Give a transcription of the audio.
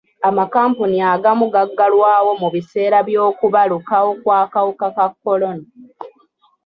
Amakampuni agagamu gaggalawo mu biseera by'okubalukawo kw'akawuka ka kolona.